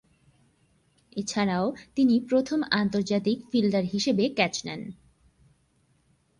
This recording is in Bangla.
এছাড়াও তিনি প্রথম আন্তর্জাতিক ফিল্ডার হিসেবে ক্যাচ নেন।